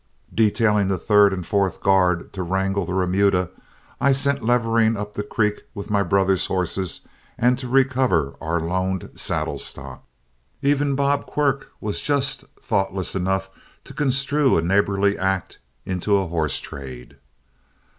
Detailing the third and fourth guard to wrangle the remuda, I sent Levering up the creek with my brother's horses and to recover our loaned saddle stock; even Bob Quirk was just thoughtless enough to construe a neighborly act into a horse trade.